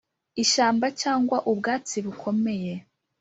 ishyamba cyangwa ubwatsi bukomye.